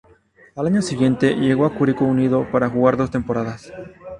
Al año siguiente, llegó a Curicó Unido para jugar dos temporadas.